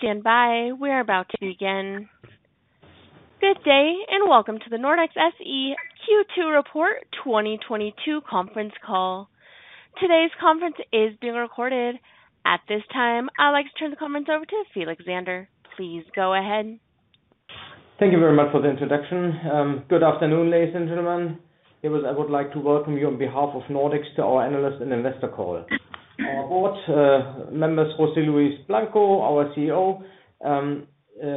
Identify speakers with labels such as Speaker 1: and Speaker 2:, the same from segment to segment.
Speaker 1: Please stand by. We're about to begin. Good day, and welcome to the Nordex SE Q2 Report 2022 Conference Call. Today's conference is being recorded. At this time, I'd like to turn the conference over to Felix Zander. Please go ahead.
Speaker 2: Thank you very much for the introduction. Good afternoon, ladies and gentlemen. I would like to welcome you on behalf of Nordex to our analyst and investor call. Our board members, José Luis Blanco, our CEO,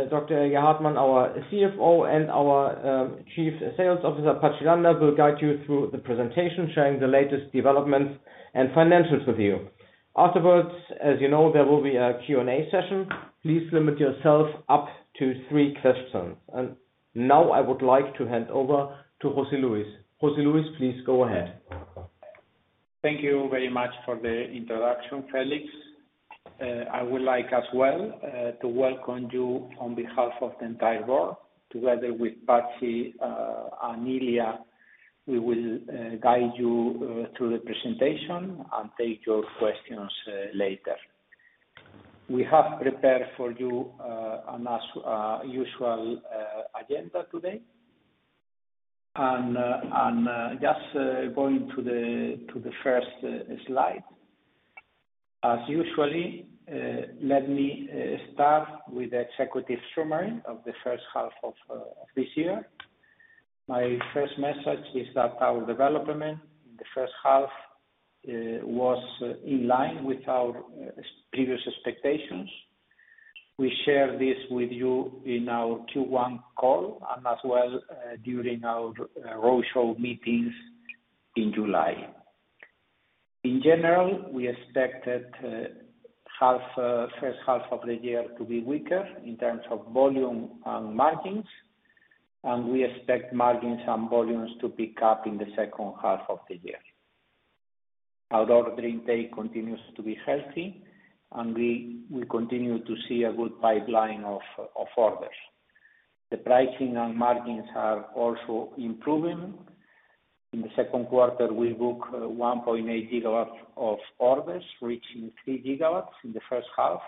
Speaker 2: Dr. Ilya Hartmann, our CFO, and our Chief Sales Officer, Patxi Landa, will guide you through the presentation, sharing the latest developments and financials with you. Afterwards, as you know, there will be a Q&A session. Please limit yourself up to three questions. Now I would like to hand over to José Luis. José Luis, please go ahead.
Speaker 3: Thank you very much for the introduction, Felix. I would like as well to welcome you on behalf of the entire board. Together with Patxi and Ilya, we will guide you through the presentation and take your questions later. We have prepared for you an, as usual, agenda today. Just going to the first slide. As usual, let me start with the executive summary of the first half of this year. My first message is that our development in the first half was in line with our previous expectations. We shared this with you in our Q1 call and as well during our roadshow meetings in July. In general, we expected half first half of the year to be weaker in terms of volume and margins, and we expect margins and volumes to pick up in the second half of the year. Our order intake continues to be healthy, and we will continue to see a good pipeline of orders. The pricing and margins are also improving. In the second quarter, we booked 1.8 gigawatts of orders, reaching three gigawatts in the first half.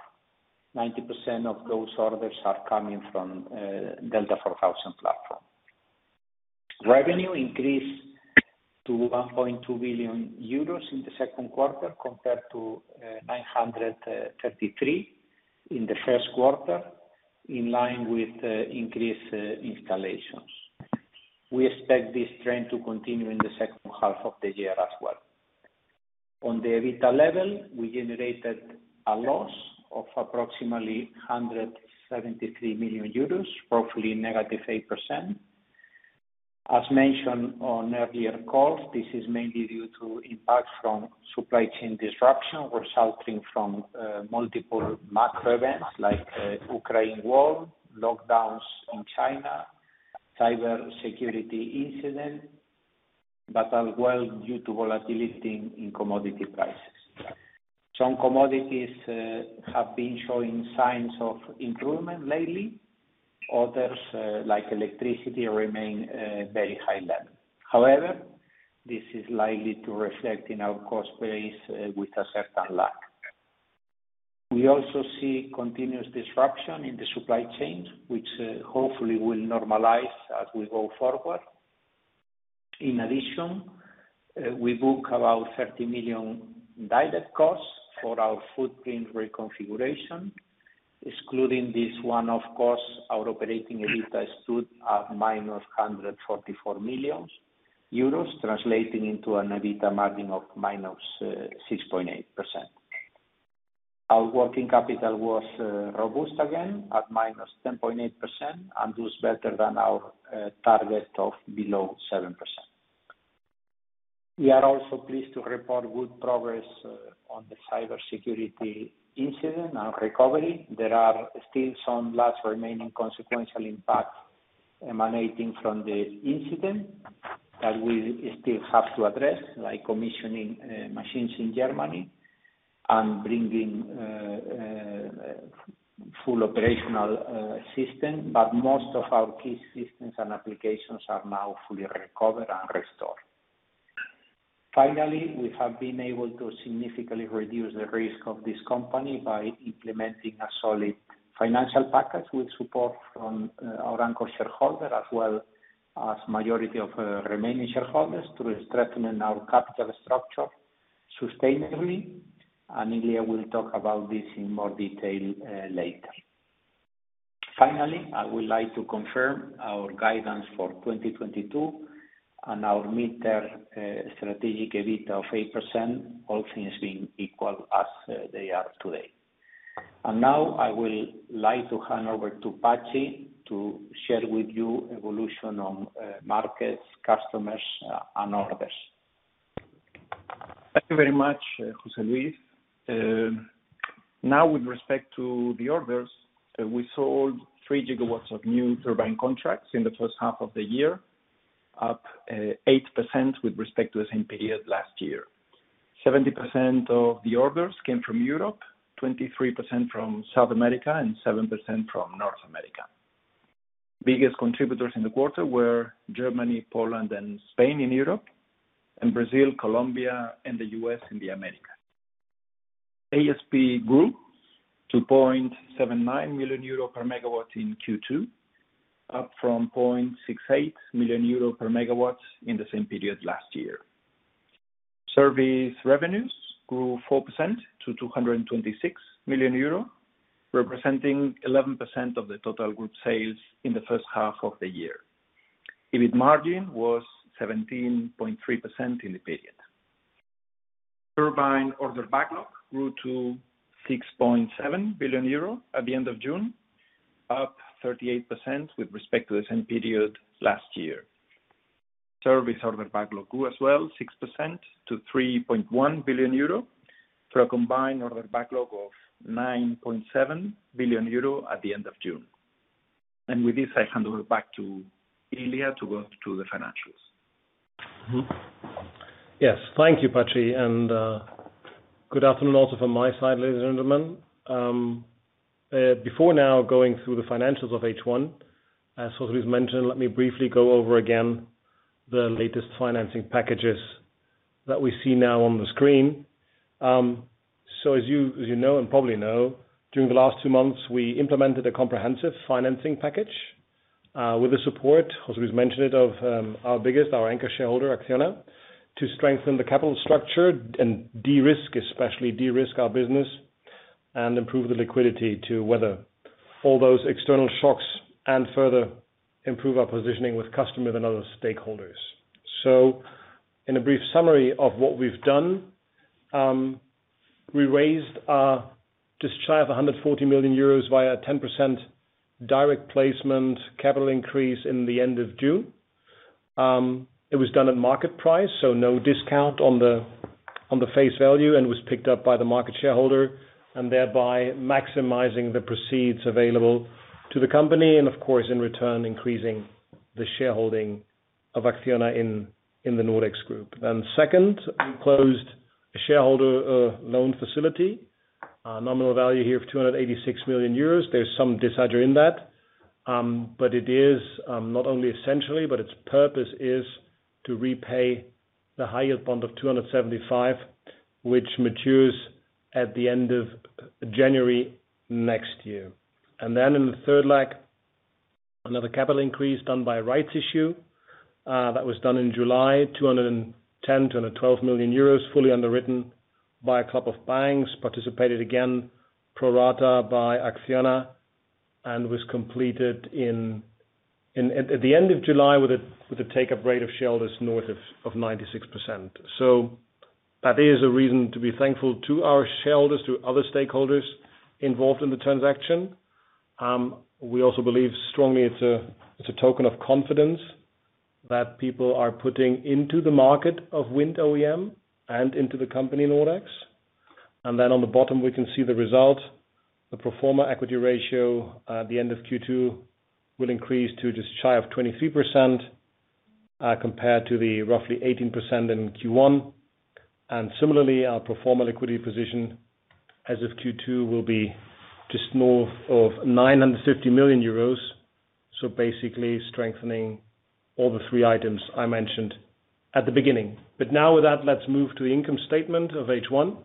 Speaker 3: 90% of those orders are coming from Delta4000 platform. Revenue increased to 1.2 billion euros in the second quarter, compared to 933 million in the first quarter, in line with the increased installations. We expect this trend to continue in the second half of the year as well. On the EBITDA level, we generated a loss of approximately 173 million euros, roughly -8%. As mentioned on earlier calls, this is mainly due to impact from supply chain disruption resulting from multiple macro events like Ukraine war, lockdowns in China, cyber security incident, but as well due to volatility in commodity prices. Some commodities have been showing signs of improvement lately. Others, like electricity, remain very high level. However, this is likely to reflect in our cost base with a certain lag. We also see continuous disruption in the supply chains, which hopefully will normalize as we go forward. In addition, we book about 30 million guided costs for our footprint reconfiguration. Excluding this one, of course, our operating EBITDA stood at 144 million euros, translating into an EBITDA margin of -6.8%. Our working capital was robust again, at -10.8%, and was better than our target of below 7%. We are also pleased to report good progress on the cybersecurity incident and recovery. There are still some last remaining consequential impact emanating from the incident that we still have to address, like commissioning machines in Germany and bringing full operational system. Most of our key systems and applications are now fully recovered and restored. Finally, we have been able to significantly reduce the risk of this company by implementing a solid financial package with support from our anchor shareholder, as well as majority of remaining shareholders to strengthen our capital structure sustainably. Ilya will talk about this in more detail later. Finally, I would like to confirm our guidance for 2022 and our mid-term strategic EBITDA of 8%, all things being equal as they are today. Now, I would like to hand over to Patxi to share with you evolution on markets, customers, and orders.
Speaker 4: Thank you very much, José Luis. Now with respect to the orders, we sold three gigawatts of new turbine contracts in the first half of the year, up 8% with respect to the same period last year. 70% of the orders came from Europe, 23% from South America, and 7% from North America. Biggest contributors in the quarter were Germany, Poland, and Spain in Europe, and Brazil, Colombia, and the US in the Americas. ASP grew to 0.79 million euro per megawatt in Q2, up from 0.68 million euro per megawatt in the same period last year. Service revenues grew 4% to 226 million euro, representing 11% of the total group sales in the first half of the year. EBIT margin was 17.3% in the period. Turbine order backlog grew to 6.7 billion euro at the end of June, up 38% with respect to the same period last year. Service order backlog grew as well, 6% to 3.1 billion euro, for a combined order backlog of 9.7 billion euro at the end of June. With this, I hand over back to Ilya to go through the financials.
Speaker 5: Thank you Patxi. Good afternoon also from my side, ladies and gentlemen. Before now going through the financials of H1, as José mentioned, let me briefly go over again the latest financing packages that we see now on the screen. As you know and probably know, during the last two months, we implemented a comprehensive financing package with the support José has mentioned of our anchor shareholder, ACCIONA, to strengthen the capital structure and de-risk, especially our business and improve the liquidity to weather all those external shocks and further improve our positioning with customers and other stakeholders. In a brief summary of what we've done, we raised just shy of 140 million euros via a 10% direct placement capital increase in the end of June. It was done at market price, so no discount on the face value, and was picked up by the major shareholder, and thereby maximizing the proceeds available to the company, and of course, in return, increasing the shareholding of ACCIONA in the Nordex Group. Second, we closed a shareholder loan facility, a nominal value here of 286 million euros. There's some discretion in that, but it is not only essentially, but its purpose is to repay the high yield bond of 275 million, which matures at the end of January next year. In the third leg, another capital increase done by rights issue, that was done in July, 210 million euros, 212 million euros, fully underwritten by a club of banks, participated again pro rata by ACCIONA, and was completed at the end of July with a take-up rate of shareholders north of 96%. That is a reason to be thankful to our shareholders, to other stakeholders involved in the transaction. We also believe strongly it's a token of confidence that people are putting into the market of wind OEM and into the company, Nordex. On the bottom, we can see the result, the pro forma equity ratio at the end of Q2 will increase to just shy of 23%, compared to the roughly 18% in Q1. Similarly, our pro forma equity position as of Q2 will be just north of 950 million euros. Basically strengthening all the three items I mentioned at the beginning. Now with that, let's move to income statement of H1.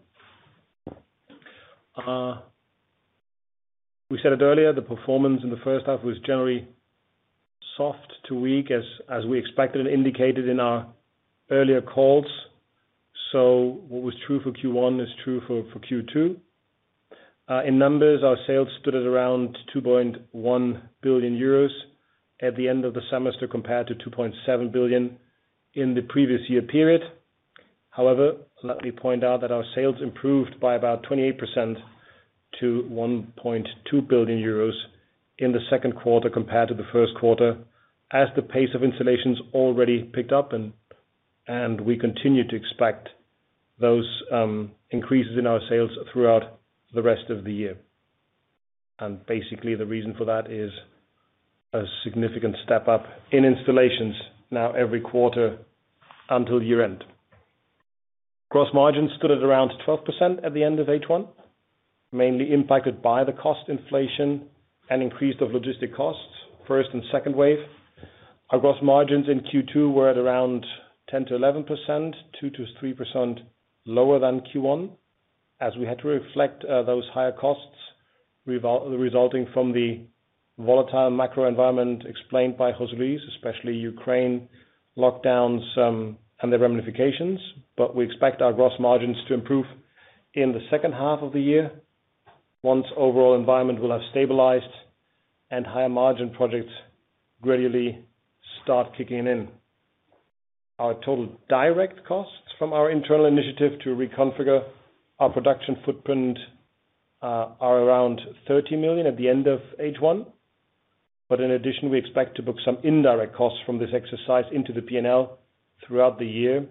Speaker 5: We said it earlier, the performance in the first half was generally soft to weak as we expected and indicated in our earlier calls. What was true for Q1 is true for Q2. In numbers, our sales stood at around 2.1 billion euros at the end of the semester, compared to 2.7 billion in the previous year period. However, let me point out that our sales improved by about 28% to 1.2 billion euros in the second quarter compared to the first quarter, as the pace of installations already picked up and we continue to expect those increases in our sales throughout the rest of the year. Basically, the reason for that is a significant step up in installations now every quarter until year-end. Gross margins stood at around 12% at the end of H1, mainly impacted by the cost inflation and increase of logistic costs, first and second wave. Our gross margins in Q2 were at around 10%-11%, 2%-3% lower than Q1, as we had to reflect those higher costs resulting from the volatile macro environment explained by José, especially Ukraine lockdowns and the ramifications. We expect our gross margins to improve in the second half of the year once overall environment will have stabilized and higher margin projects gradually start kicking in. Our total direct costs from our internal initiative to reconfigure our production footprint are around 30 million at the end of H1. In addition, we expect to book some indirect costs from this exercise into the P&L throughout the year,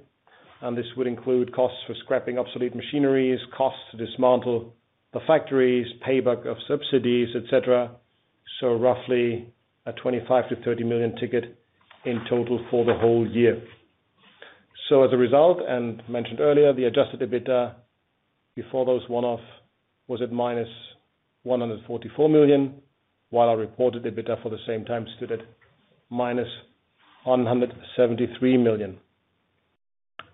Speaker 5: and this will include costs for scrapping obsolete machineries, costs to dismantle the factories, payback of subsidies, et cetera. Roughly a 25-30 million ticket in total for the whole year. As a result, and mentioned earlier, the adjusted EBITDA before those one-off was at -144 million, while our reported EBITDA for the same time stood at -173 million.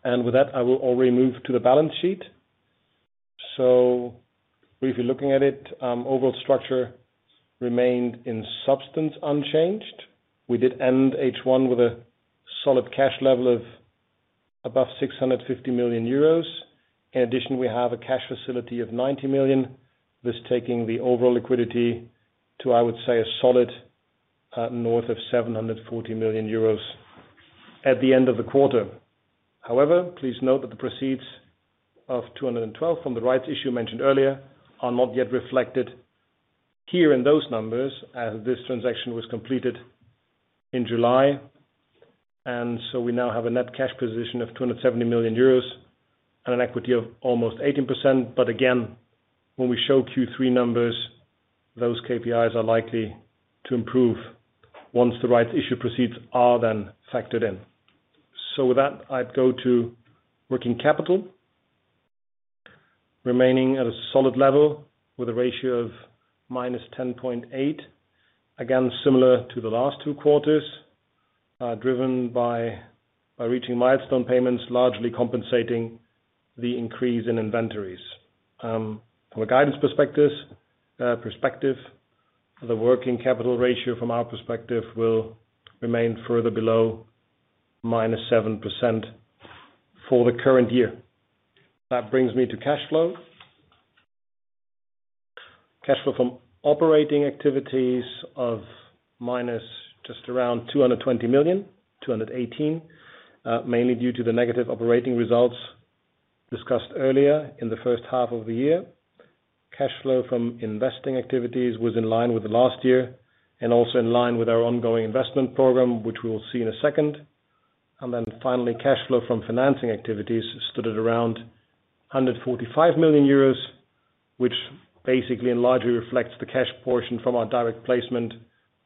Speaker 5: With that, I will already move to the balance sheet. Briefly looking at it, overall structure remained in substance unchanged. We did end H1 with a solid cash level of above 650 million euros. In addition, we have a cash facility of 90 million, this taking the overall liquidity to, I would say, a solid, north of 740 million euros at the end of the quarter. However, please note that the proceeds of 212 from the rights issue mentioned earlier are not yet reflected here in those numbers as this transaction was completed in July. We now have a net cash position of 270 million euros and an equity of almost 18%. Again, when we show Q3 numbers, those KPIs are likely to improve once the rights issue proceeds are then factored in. With that, I'd go to working capital. Remaining at a solid level with a ratio of -10.8%. Again, similar to the last two quarters, driven by reaching milestone payments, largely compensating the increase in inventories. From a guidance perspective, the working capital ratio from our perspective will remain further below -7% for the current year. That brings me to cash flow. Cash flow from operating activities of minus just around 220 million, 218, mainly due to the negative operating results discussed earlier in the first half of the year. Cash flow from investing activities was in line with last year and also in line with our ongoing investment program, which we will see in a second. Then finally, cash flow from financing activities stood at around 145 million euros, which basically and largely reflects the cash portion from our direct placement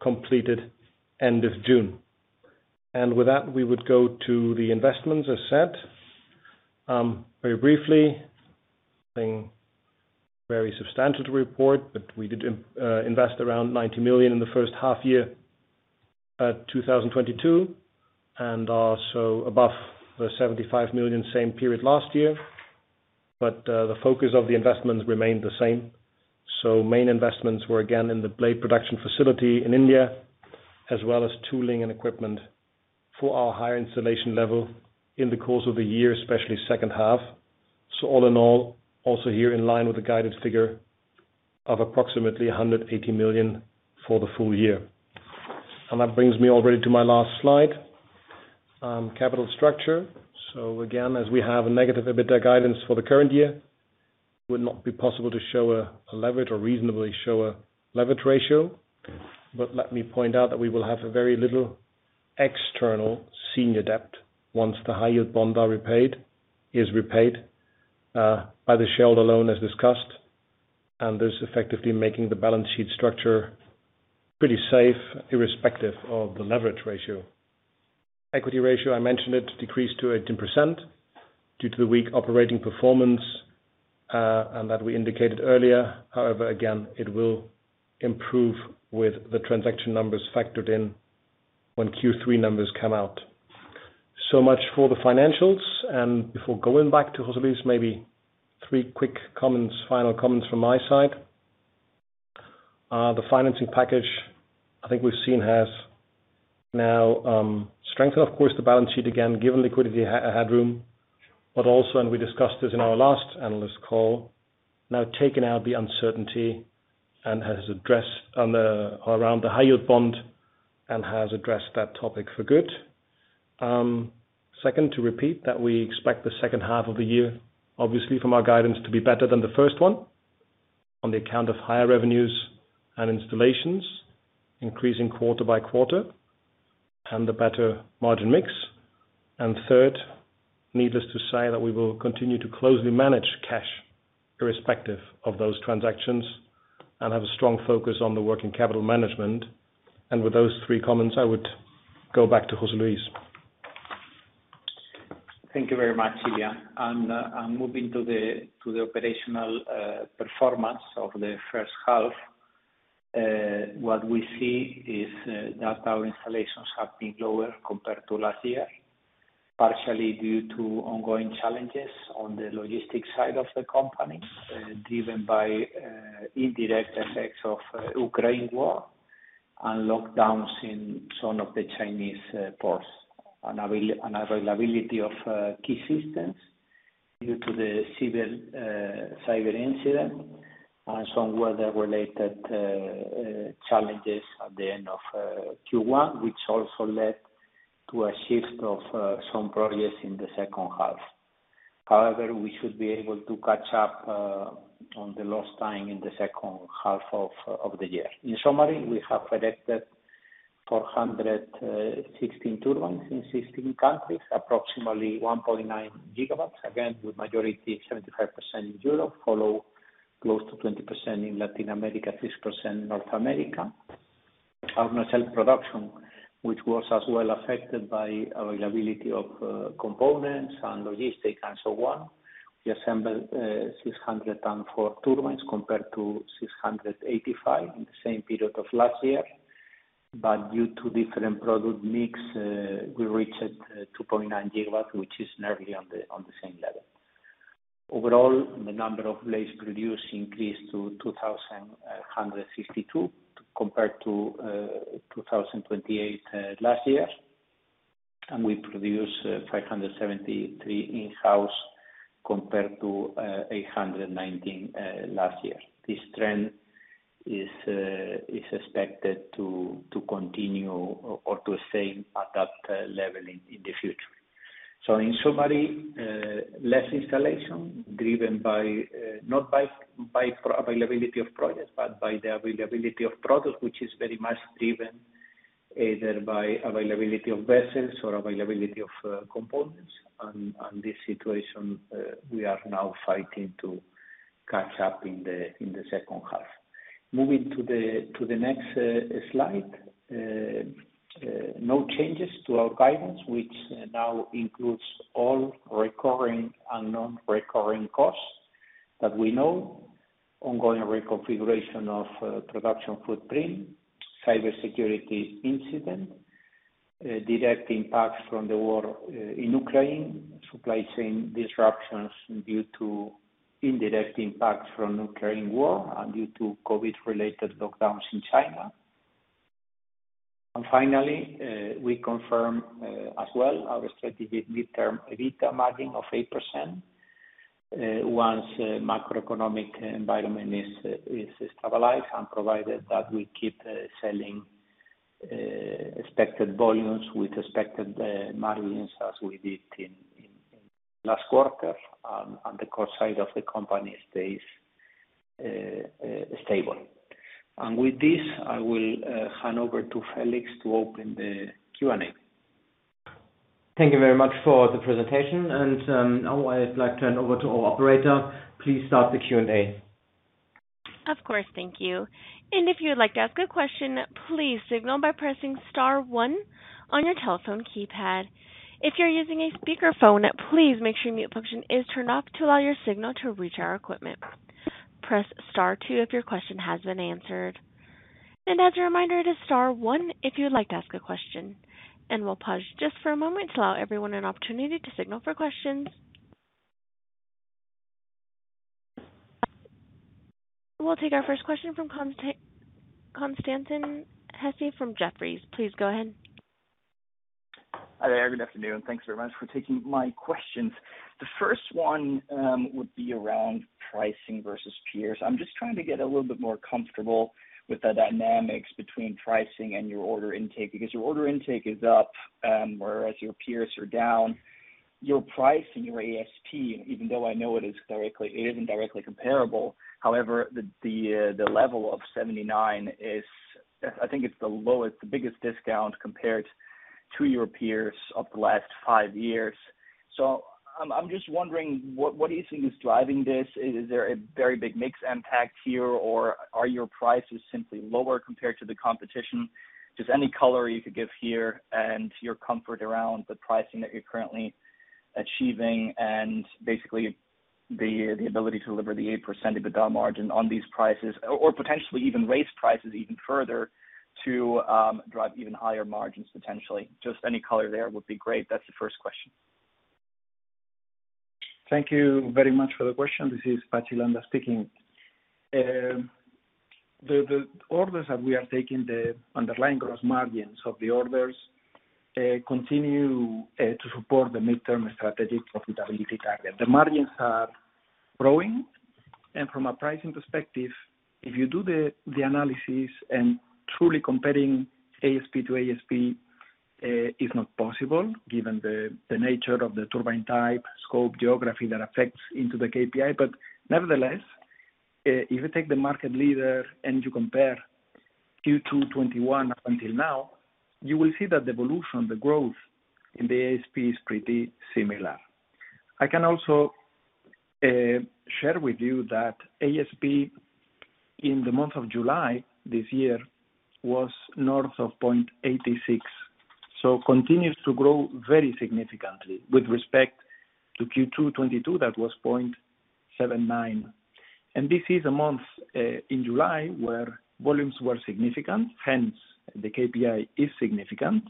Speaker 5: completed end of June. With that, we would go to the investments, as said. Very briefly, nothing very substantial to report, but we did invest around 90 million in the first half year 2022, and also above the 75 million same period last year. The focus of the investments remained the same. Main investments were again in the blade production facility in India, as well as tooling and equipment for our higher installation level in the course of the year, especially second half. All in all, also here in line with the guidance figure of approximately 180 million for the full year. That brings me already to my last slide, capital structure. Again, as we have a negative EBITDA guidance for the current year, it would not be possible to show a leverage or reasonably show a leverage ratio. Let me point out that we will have a very little external senior debt once the high yield bond is repaid by the shareholder loan, as discussed. This effectively making the balance sheet structure pretty safe, irrespective of the leverage ratio. Equity ratio, I mentioned it, decreased to 18% due to the weak operating performance, and that we indicated earlier. However, again, it will improve with the transaction numbers factored in when Q3 numbers come out. Much for the financials, and before going back to José Luis, maybe three quick comments, final comments from my side. The financing package I think we've seen has now strengthened, of course, the balance sheet again, given liquidity had room. Also, and we discussed this in our last analyst call, now taken out the uncertainty and has addressed on the, around the high yield bond and has addressed that topic for good. Second, to repeat that we expect the second half of the year, obviously from our guidance, to be better than the first one on account of higher revenues and installations increasing quarter by quarter and the better margin mix. Third, needless to say that we will continue to closely manage cash irrespective of those transactions and have a strong focus on the working capital management. With those three comments, I would go back to José Luis.
Speaker 3: Thank you very much, Ilya. Moving to the operational performance of the first half, what we see is that our installations have been lower compared to last year, partially due to ongoing challenges on the logistics side of the company, driven by indirect effects of Ukraine war and lockdowns in some of the Chinese ports, unavailability of key systems due to the cyber incident, and some weather-related challenges at the end of Q1, which also led to a shift of some projects in the second half. However, we should be able to catch up on the lost time in the second half of the year. In summary, we have erected 416 turbines in 16 countries, approximately 1.9 gigawatts, again, with majority 75% in Europe, followed by close to 20% in Latin America, 6% North America. Our nacelle production, which was as well affected by availability of components and logistics and so on. We assembled 604 turbines compared to 685 in the same period of last year, but due to different product mix, we reached 2.9 gigawatts, which is nearly on the same level. Overall, the number of blades produced increased to 2,162 compared to 2,028 last year. We produced 573 in-house compared to 819 last year. This trend is expected to continue or to stay at that level in the future. In summary, less installation driven not by availability of products, but by the availability of product, which is very much driven either by availability of vessels or availability of components. This situation we are now fighting to catch up in the second half. Moving to the next slide. No changes to our guidance, which now includes all recurring and non-recurring costs that we know. Ongoing reconfiguration of production footprint, cybersecurity incident, direct impacts from the war in Ukraine, supply chain disruptions due to indirect impacts from Ukraine war and due to COVID-related lockdowns in China. Finally, we confirm as well our strategic mid-term EBITDA margin of 8%, once macroeconomic environment is stabilized and provided that we keep selling expected volumes with expected margins as we did in last quarter, and the cost side of the company stays stable. With this, I will hand over to Felix to open the Q&A.
Speaker 2: Thank you very much for the presentation. Now I'd like to hand over to our operator. Please start the Q&A.
Speaker 1: Of course. Thank you. If you would like to ask a question, please signal by pressing star one on your telephone keypad. If you're using a speakerphone, please make sure mute function is turned off to allow your signal to reach our equipment. Press star two if your question has been answered. As a reminder, it is star one if you would like to ask a question. We'll pause just for a moment to allow everyone an opportunity to signal for questions. We'll take our first question from Constantin Hesse from Jefferies. Please go ahead.
Speaker 6: Hi there. Good afternoon. Thanks very much for taking my questions. The first one would be around pricing versus peers. I'm just trying to get a little bit more comfortable with the dynamics between pricing and your order intake because your order intake is up, whereas your peers are down. Your price and your ASP, even though I know it isn't directly comparable. However, the level of 79 is, I think it's the lowest, the biggest discount compared to your peers over the last five years. I'm just wondering what do you think is driving this? Is there a very big mix impact here, or are your prices simply lower compared to the competition? Just any color you could give here and your comfort around the pricing that you're currently achieving and basically the ability to deliver the 8% EBITDA margin on these prices. Or potentially even raise prices even further to drive even higher margins potentially. Just any color there would be great. That's the first question.
Speaker 4: Thank you very much for the question. This is Patxi Landa speaking. The orders that we are taking, the underlying gross margins of the orders, continue to support the midterm strategic profitability target. The margins are growing. From a pricing perspective, if you do the analysis and truly comparing ASP to ASP is not possible given the nature of the turbine type, scope, geography that affects the KPI. Nevertheless, if you take the market leader and you compare Q2 2021 until now, you will see that the evolution, the growth in the ASP is pretty similar. I can also share with you that ASP in the month of July this year was north of 0.86, so continues to grow very significantly with respect to Q2 2022, that was 0.79. This is a month in July, where volumes were significant, hence the KPI is significant,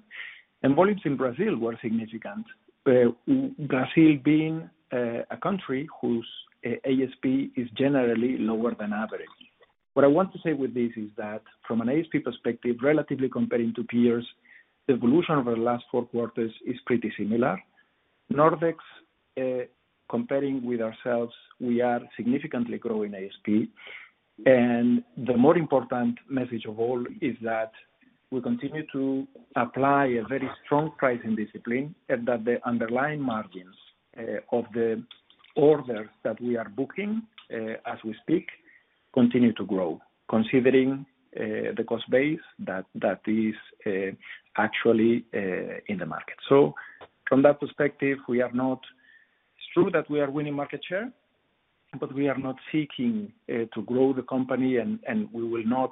Speaker 4: and volumes in Brazil were significant. Brazil being a country whose ASP is generally lower than average. What I want to say with this is that from an ASP perspective, relatively comparing to peers, the evolution over the last four quarters is pretty similar. Nordex, comparing with ourselves, we are significantly growing ASP. The more important message of all is that we continue to apply a very strong pricing discipline and that the underlying margins of the orders that we are booking as we speak continue to grow, considering the cost base that is actually in the market. From that perspective, we are not. It's true that we are winning market share, but we are not seeking to grow the company, and we will not,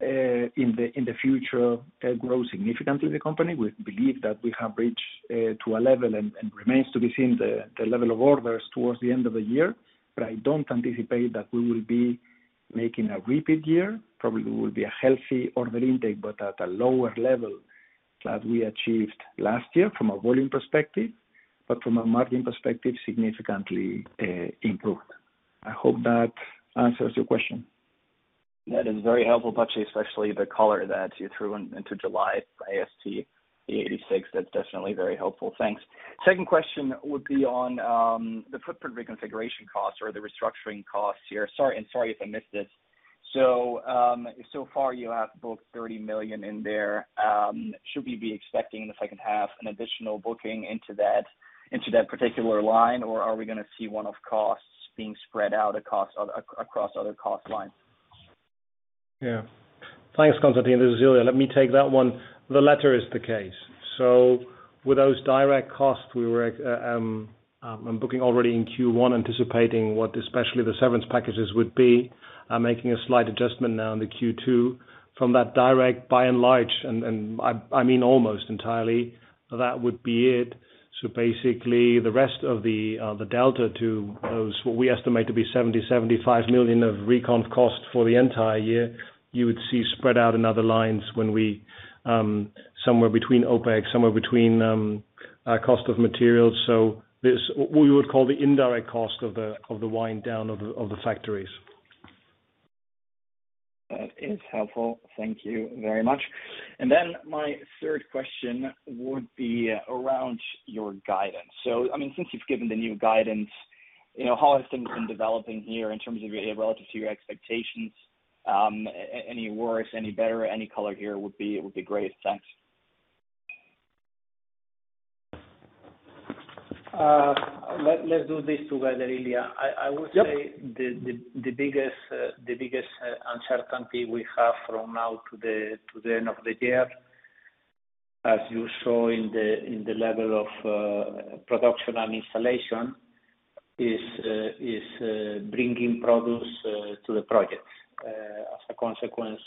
Speaker 4: in the future, grow significantly the company. We believe that we have reached to a level, and remains to be seen the level of orders towards the end of the year. I don't anticipate that we will be making a repeat year. Probably will be a healthy order intake, but at a lower level that we achieved last year from a volume perspective, but from a margin perspective, significantly improved. I hope that answers your question.
Speaker 6: That is very helpful, Patxi, especially the color that you threw into July ASP 86. That's definitely very helpful. Thanks. Second question would be on the footprint reconfiguration costs or the restructuring costs here. Sorry if I missed this. So far, you have booked 30 million in there. Should we be expecting in the second half an additional booking into that, into that particular line, or are we gonna see one-off costs being spread out across other cost lines?
Speaker 5: Yeah. Thanks, Constantin. This is Ilya. Let me take that one. The latter is the case. With those direct costs we were booking already in Q1, anticipating what especially the severance packages would be, I'm making a slight adjustment now in the Q2 from that direct by and large, and I mean almost entirely that would be it. Basically, the rest of the delta to those what we estimate to be 70-75 million of restructuring cost for the entire year, you would see spread out in other lines somewhere between OPEX, somewhere between cost of materials. This, what we would call the indirect cost of the wind down of the factories.
Speaker 6: That is helpful. Thank you very much. My third question would be around your guidance. I mean, since you've given the new guidance, you know, how has things been developing here in terms of relative to your expectations? Any worse, any better, any color here would be great. Thanks.
Speaker 3: Let's do this together, Ilya.
Speaker 6: Yep.
Speaker 3: I would say the biggest uncertainty we have from now today to the end of the year, as you saw in the level of production and installation, is bringing products to the project. As a consequence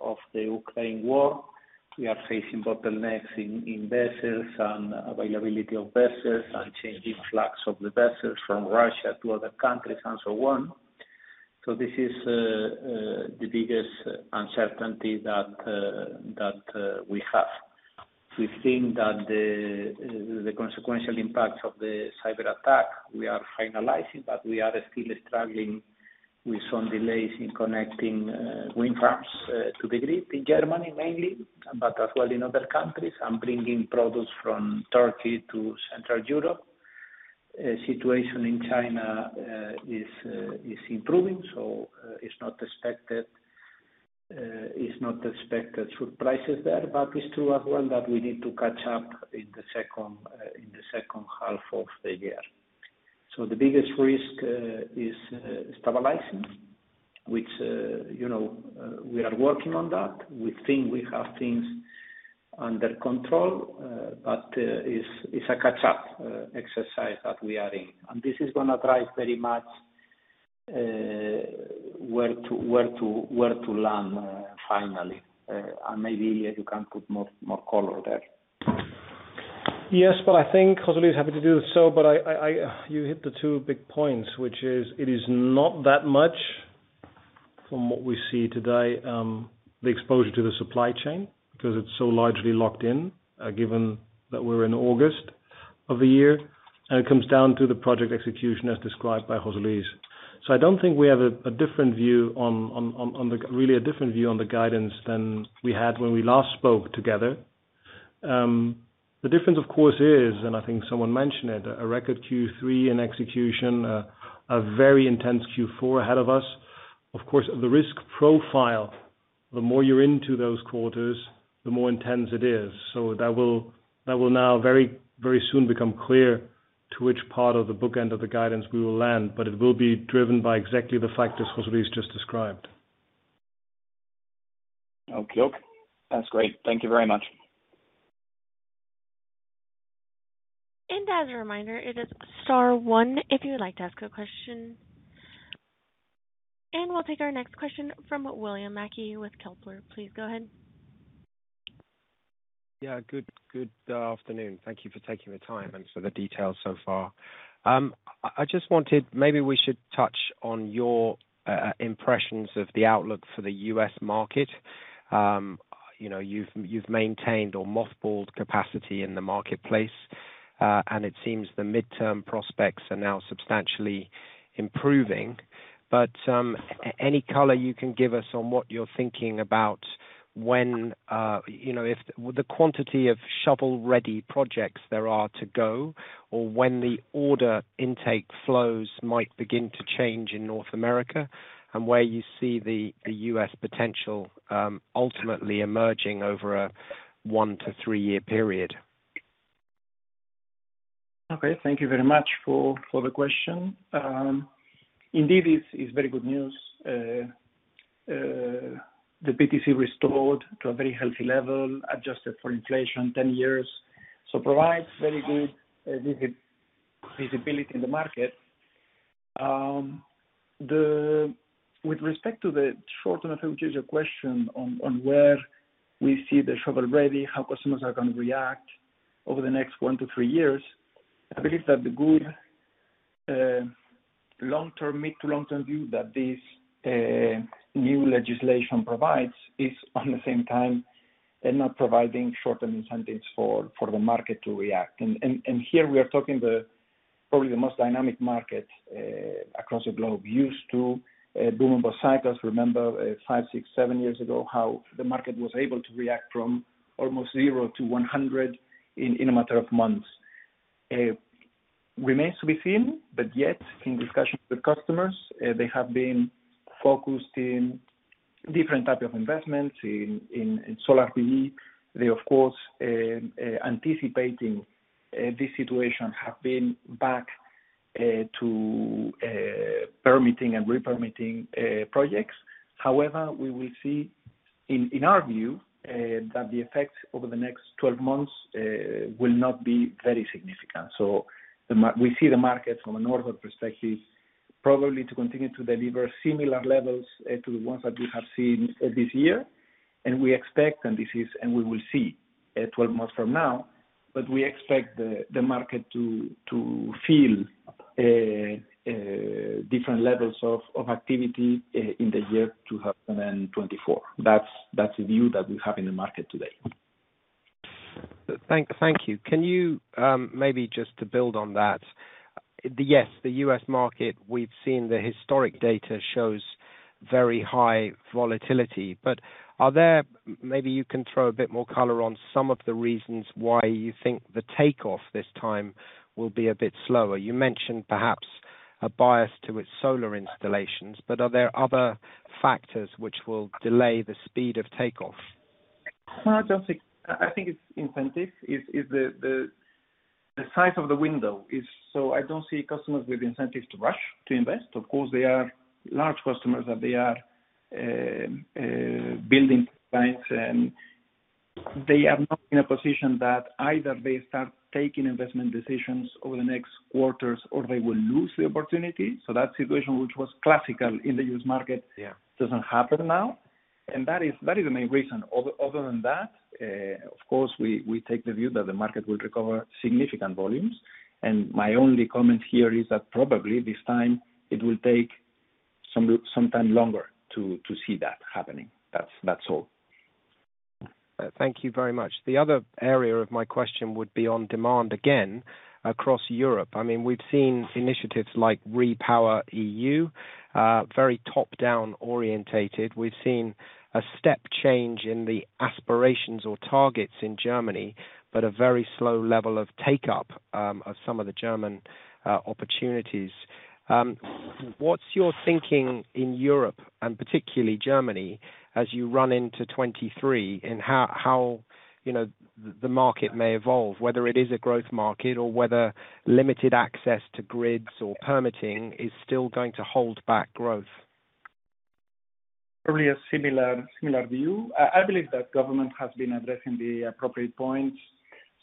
Speaker 3: of the Ukraine war, we are facing bottlenecks in vessels and availability of vessels and changing flags of the vessels from Russia to other countries and so on. This is the biggest uncertainty that we have. We think that the consequential impact of the cyberattack, we are finalizing, but we are still struggling with some delays in connecting wind farms to the grid in Germany mainly, but as well in other countries, and bringing products from Turkey to Central Europe. A situation in China is improving, so it's not expected for prices there, but it's true as well that we need to catch up in the second half of the year. The biggest risk is stabilizing, which, you know, we are working on that. We think we have things under control, but it's a catch-up exercise that we are in. This is gonna drive very much where to land finally. Maybe, Ilya, you can put more color there.
Speaker 5: Yes, I think José is happy to do so, you hit the two big points, which is it is not that much from what we see today, the exposure to the supply chain, because it's so largely locked in, given that we're in August of the year, and it comes down to the project execution as described by José. I don't think we have a different view on the really a different view on the guidance than we had when we last spoke together. The difference of course is, I think someone mentioned it, a record Q3 in execution, a very intense Q4 ahead of us. Of course, the risk profile, the more you're into those quarters, the more intense it is. That will now very, very soon become clear to which part of the bookend of the guidance we will land, but it will be driven by exactly the factors José just described.
Speaker 6: Okay. That's great. Thank you very much.
Speaker 1: As a reminder, it is star one if you would like to ask a question. We'll take our next question from William Mackie with Kepler Cheuvreux. Please go ahead.
Speaker 7: Yeah. Good afternoon. Thank you for taking the time and for the details so far. Maybe we should touch on your impressions of the outlook for the U.S. market. You know, you've maintained or mothballed capacity in the marketplace, and it seems the midterm prospects are now substantially improving. Any color you can give us on what you're thinking about when, you know, if the quantity of shovel-ready projects there are to go, or when the order intake flows might begin to change in North America, and where you see the U.S. potential ultimately emerging over a one- to three-year period.
Speaker 3: Okay. Thank you very much for the question. Indeed, it's very good news. The PTC restored to a very healthy level, adjusted for inflation 10 years. Provides very good visibility in the market. With respect to the short-term effect, which is your question on where we see the level ready, how customers are gonna react over the next one-three years, I believe that the good long-term, mid to long-term view that this new legislation provides is at the same time they're not providing short-term incentives for the market to react. Here we are talking, probably, the most dynamic market across the globe. Used to boom/bust cycles. Remember five, six, seven years ago, how the market was able to react from almost 0-100 in a matter of months.
Speaker 4: Remains to be seen, but yet in discussions with customers, they have been focused on different types of investments in solar PV. They, of course, anticipating this situation have been back to permitting and re-permitting projects. However, we will see, in our view, that the effects over the next 12 months will not be very significant. We see the market from a Nordex perspective, probably to continue to deliver similar levels to the ones that we have seen this year. We expect, and this is, we will see 12 months from now, but we expect the market to feel different levels of activity in the year 2024. That's the view that we have in the market today.
Speaker 7: Thank you. Can you maybe just to build on that. Yes, the US market, we've seen the historic data shows very high volatility, but maybe you can throw a bit more color on some of the reasons why you think the takeoff this time will be a bit slower. You mentioned perhaps a bias to its solar installations, but are there other factors which will delay the speed of takeoff?
Speaker 4: No, I don't think. I think it's incentive. It's the size of the window. I don't see customers with incentives to rush to invest. Of course, they are large customers that are building banks, and they are not in a position that either they start taking investment decisions over the next quarters or they will lose the opportunity. That situation, which was classical in the U.S. market.
Speaker 7: Yeah
Speaker 4: Doesn't happen now. That is the main reason. Other than that, of course, we take the view that the market will recover significant volumes. My only comment here is that probably this time it will take some time longer to see that happening. That's all.
Speaker 7: Thank you very much. The other area of my question would be on demand, again, across Europe. I mean, we've seen initiatives like REPowerEU, very top-down oriented. We've seen a step change in the aspirations or targets in Germany, but a very slow level of take-up of some of the German opportunities. What's your thinking in Europe and particularly Germany as you run into 2023, and you know, the market may evolve, whether it is a growth market or whether limited access to grids or permitting is still going to hold back growth?
Speaker 4: Probably a similar view. I believe that government has been addressing the appropriate points.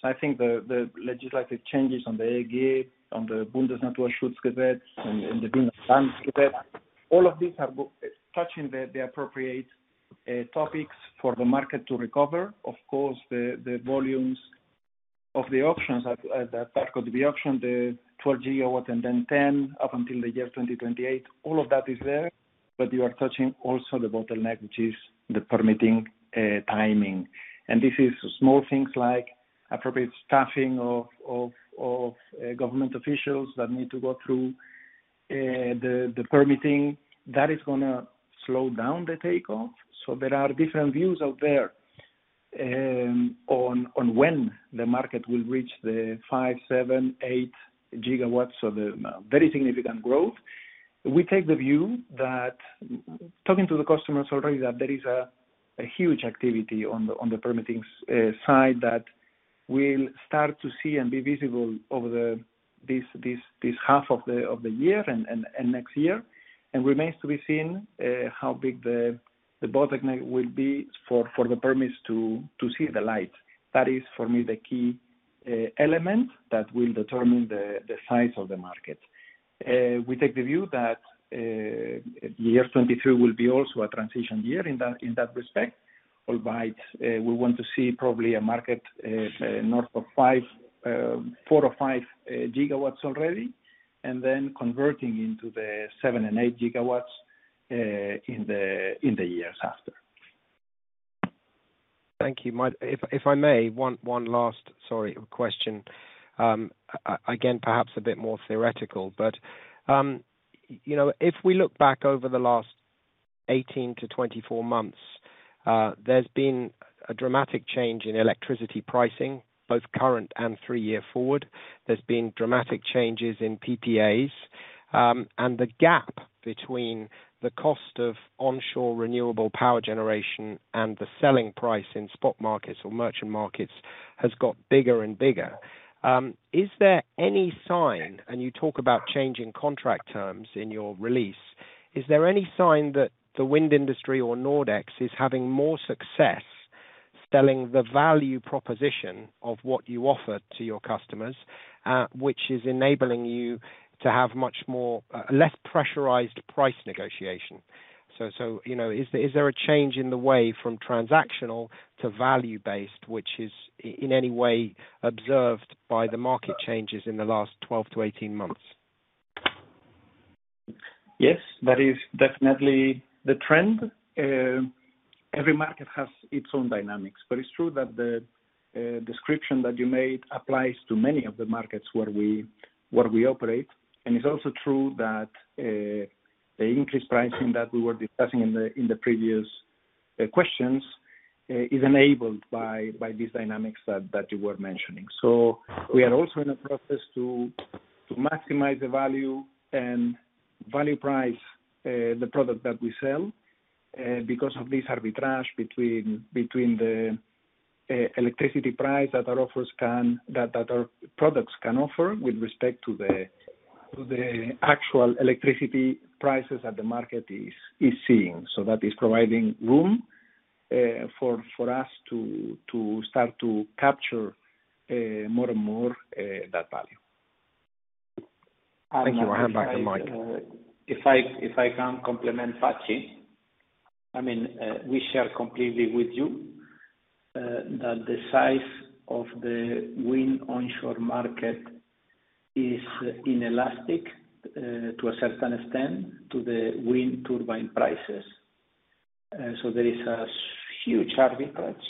Speaker 4: I think the legislative changes on the EEG, on the Bundesnaturschutzgesetz and all of these are touching the appropriate topics for the market to recover. Of course, the volumes of the auctions that are going to be auctioned, the 12 gigawatts and then 10 up until the year 2028, all of that is there. You are touching also the bottleneck, which is the permitting timing. This is small things like appropriate staffing of government officials that need to go through the permitting. That is gonna slow down the takeoff. There are different views out there on when the market will reach the five, seven, eight gigawatts, so the very significant growth. We take the view that, talking to the customers already, that there is a huge activity on the permitting side that we'll start to see and be visible over this half of the year and next year. Remains to be seen how big the bottleneck will be for the permits to see the light. That is, for me, the key element that will determine the size of the market. We take the view that 2023 will be also a transition year in that respect, albeit we want to see probably a market north of five, four or five gigawatts already, and then converting into the 7 and 8 gigawatts in the years after.
Speaker 7: Thank you. If I may, one last, sorry, question. Again, perhaps a bit more theoretical but, you know, if we look back over the last 18-24 months, there's been a dramatic change in electricity pricing, both current and three year forward. There's been dramatic changes in PPAs, and the gap between the cost of onshore renewable power generation and the selling price in spot markets or merchant markets has got bigger and bigger. Is there any sign, and you talk about changing contract terms in your release, is there any sign that the wind industry or Nordex is having more success Selling the value proposition of what you offer to your customers, which is enabling you to have much more, less pressurized price negotiation. You know, is there a change in the way from transactional to value based, which is in any way observed by the market changes in the last 12-18 months?
Speaker 4: Yes, that is definitely the trend. Every market has its own dynamics, but it's true that the description that you made applies to many of the markets where we operate. It's also true that the increased pricing that we were discussing in the previous questions is enabled by these dynamics that you were mentioning. We are also in a process to maximize the value and value price the product that we sell because of this arbitrage between the electricity price that our products can offer with respect to the actual electricity prices that the market is seeing. That is providing room for us to start to capture more and more that value.
Speaker 5: Thank you. I'll hand back to William Mackie.
Speaker 3: If I can complement Patxi Landa, I mean, we share completely with you that the size of the wind onshore market is inelastic to a certain extent to the wind turbine prices. There is a huge arbitrage.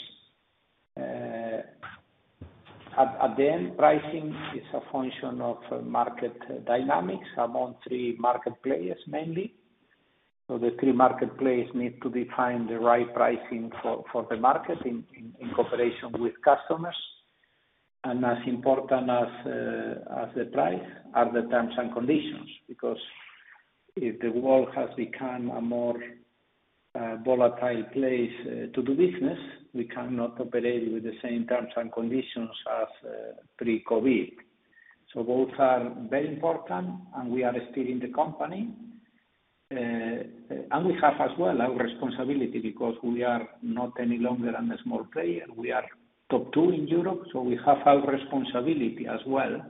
Speaker 3: At the end, pricing is a function of market dynamics among three market players, mainly. The three market players need to define the right pricing for the market in cooperation with customers. As important as the price are the terms and conditions, because if the world has become a more volatile place to do business, we cannot operate with the same terms and conditions as pre-COVID. Both are very important, and we are still in the game. We have as well our responsibility because we are not any longer a small player. We are top two in Europe, so we have our responsibility as well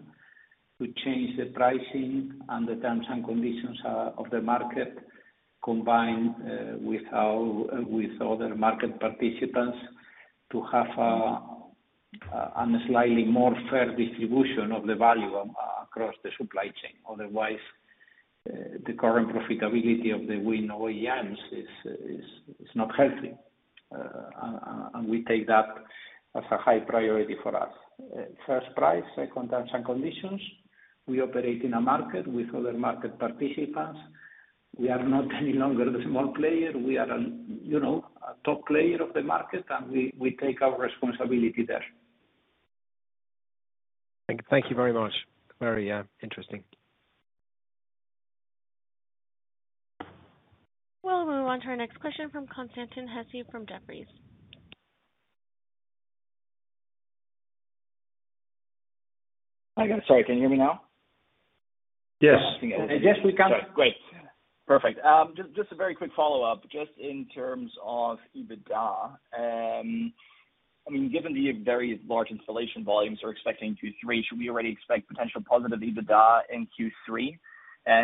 Speaker 3: to change the pricing and the terms and conditions of the market combined with other market participants to have a slightly more fair distribution of the value across the supply chain. Otherwise, the current profitability of the wind OEMs is not healthy. We take that as a high priority for us. First price, second terms and conditions. We operate in a market with other market participants. We are not any longer the small player. We are, you know, a top player of the market, and we take our responsibility there.
Speaker 7: Thank you very much. Very interesting.
Speaker 1: We'll move on to our next question from Constantin Hesse from Jefferies.
Speaker 6: Hi again. Sorry, can you hear me now?
Speaker 3: Yes.
Speaker 5: Yes, we can.
Speaker 6: Great. Perfect. Just a very quick follow-up, just in terms of EBITDA. I mean, given the very large installation volumes we're expecting in Q3, should we already expect potential positive EBITDA in Q3?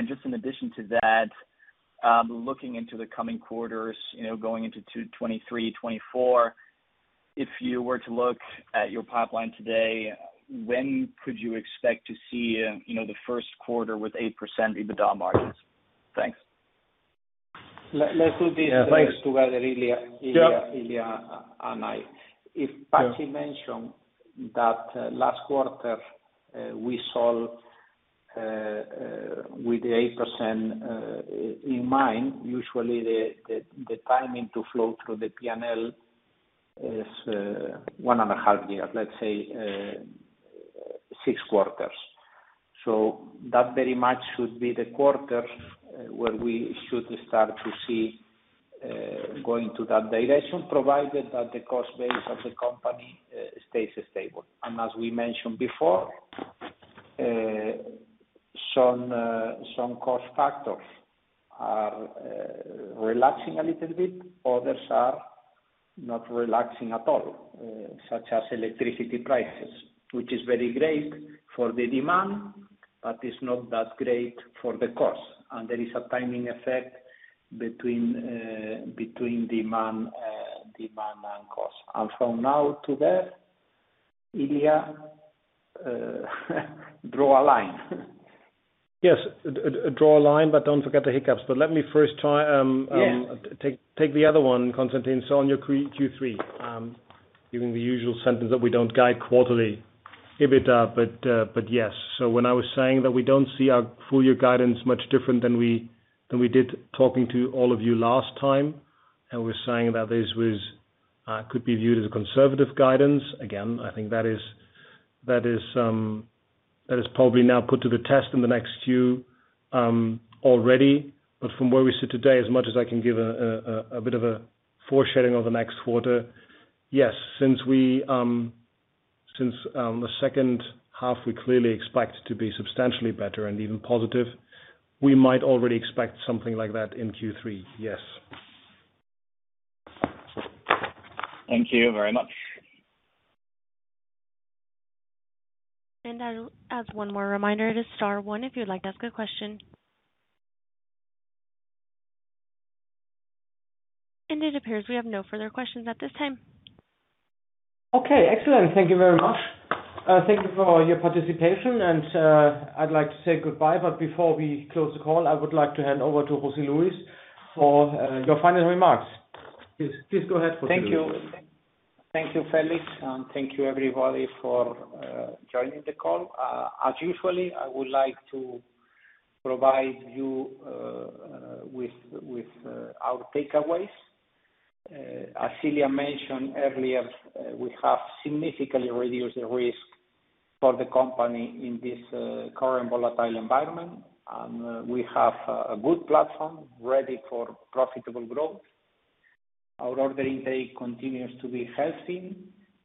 Speaker 6: Just in addition to that, looking into the coming quarters, you know, going into 2023, 2024, if you were to look at your pipeline today, when could you expect to see, you know, the first quarter with 8% EBITDA margins? Thanks.
Speaker 3: Let's do this together, Ili-
Speaker 5: Yeah.
Speaker 3: Ilya and I. If Patxi mentioned that last quarter, we saw with the 8% in mind, usually the timing to flow through the P&L is one and a half years, let's say, six quarters. That very much should be the quarter where we should start to see going to that direction, provided that the cost base of the company stays stable. As we mentioned before, some cost factors are relaxing a little bit, others are not relaxing at all, such as electricity prices, which is very great for the demand, but it's not that great for the cost. There is a timing effect between demand and cost. From now to there, Ilya, draw a line.
Speaker 5: Yes. Draw a line, but don't forget the hiccups. Let me first try.
Speaker 3: Yeah.
Speaker 5: Take the other one, Constantin. On your Q3, given the usual sentence that we don't guide quarterly EBITDA, but yes. When I was saying that we don't see our full year guidance much different than we did talking to all of you last time, and we're saying that this could be viewed as a conservative guidance. Again, I think that is probably now put to the test in the next few already. From where we sit today, as much as I can give a bit of a foreshadowing of the next quarter, yes, since we- Since the second half, we clearly expect to be substantially better and even positive. We might already expect something like that in Q3. Yes.
Speaker 6: Thank you very much.
Speaker 1: I'll add one more reminder to star one if you'd like to ask a question. It appears we have no further questions at this time.
Speaker 2: Okay, excellent. Thank you very much. Thank you for your participation and, I'd like to say goodbye. Before we close the call, I would like to hand over to José Luis for your final remarks. Please go ahead, José Luis.
Speaker 3: Thank you. Thank you, Felix. Thank you everybody for joining the call. As usual, I would like to provide you with our takeaways. As Ilya mentioned earlier, we have significantly reduced the risk for the company in this current volatile environment. We have a good platform ready for profitable growth. Our order book continues to be healthy,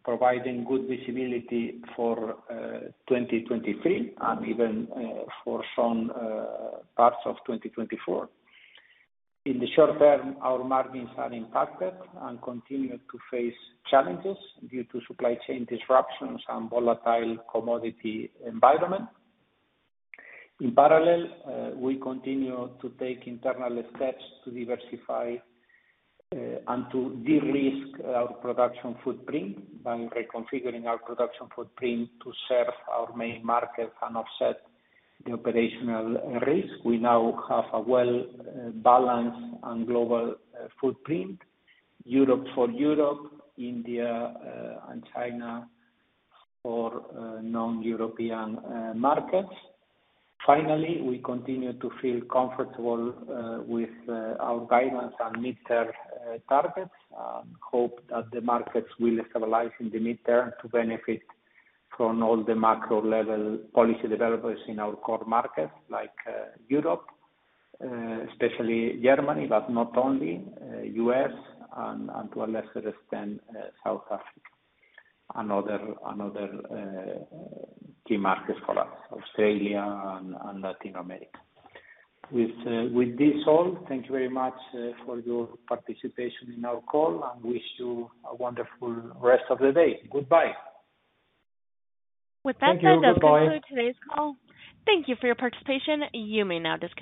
Speaker 3: providing good visibility for 2023 and even for some parts of 2024. In the short term, our margins are impacted and continue to face challenges due to supply chain disruptions and volatile commodity environment. In parallel, we continue to take internal steps to diversify and to de-risk our production footprint by reconfiguring our production footprint to serve our main market and offset the operational risk. We now have a well balanced and global footprint, Europe for Europe, India, and China, or non-European markets. Finally, we continue to feel comfortable with our guidance and mid-term targets, hope that the markets will stabilize in the mid-term to benefit from all the macro level policy developments in our core markets like Europe, especially Germany, but not only, US and to a lesser extent, South Africa. Another key markets for us, Australia and Latin America. With this all, thank you very much for your participation in our call and wish you a wonderful rest of the day. Goodbye.
Speaker 1: With that said.
Speaker 2: Thank you. Goodbye.
Speaker 1: That concludes today's call. Thank you for your participation. You may now disconnect.